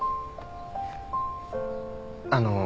あの。